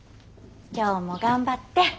今日も頑張って。